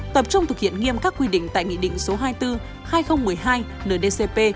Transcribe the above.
tập trung thực hiện nghiêm các quy định tại nghị định số hai mươi bốn hai nghìn một mươi hai ndcp